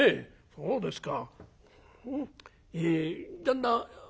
そうですか。